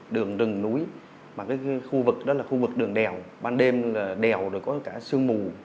đường rừng núi mà cái khu vực đó là khu vực đường đèo ban đêm là đèo rồi có cả sương mù